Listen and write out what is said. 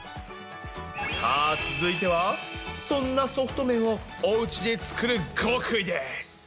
さあ続いてはそんなソフト麺をおうちで作る極意です。